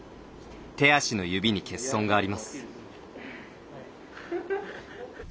手足の指に欠損があります。